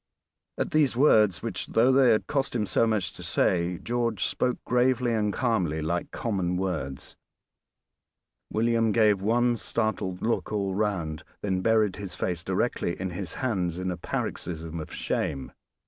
At these words, which, though they had cost him so much to say, George spoke gravely and calmly like common words, William gave one startled look all round, then buried his face directly in his hands in a paroxysm of shame.